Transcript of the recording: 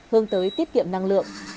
hơn tới tiết kiệm năng lượng